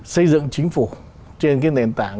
xây dựng chính phủ trên cái nền tảng